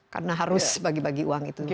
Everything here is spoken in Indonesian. karena harus bagi bagi uang itu juga